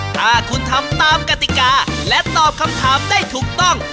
ถ้าคุณทำตามกติกาและตอบคำถามได้ถูกต้อง